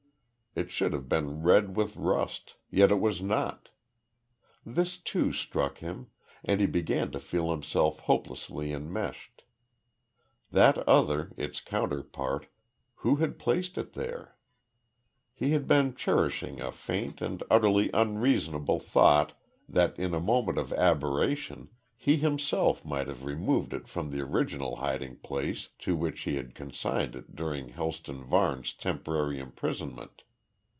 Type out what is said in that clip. It should have been red with rust yet it was not. This too struck him, and he began to feel himself hopelessly enmeshed. That other, its counterpart, who had placed it there? He had been cherishing a faint and utterly unreasonable thought that in a moment of aberration, he himself might have removed it from the original hiding place to which he had consigned it during Helston Varne's temporary imprisonment.